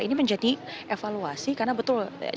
ini menjadi evaluasi karena betul